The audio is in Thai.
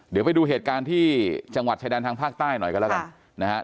เดี๋ยวไปดูเหตุการณ์ที่จังหวัดชายแดนทางภาคใต้หน่อยกันแล้วกันนะครับ